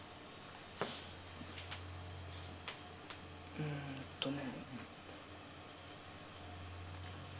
うんとね。